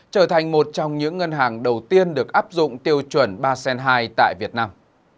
trở thành một trong những ngân hàng đầu tiên được áp dụng tiêu chuẩn ba sen hai tại việt nam